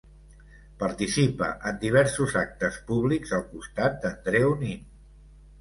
Participa en diversos actes públics al costat d'Andreu Nin.